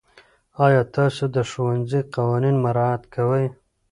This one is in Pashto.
آیا تاسو د ښوونځي قوانین مراعات کوئ؟